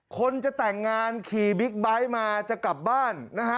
คนจะแต่งงานขี่บิ๊กไบท์มาจะกลับบ้านนะฮะ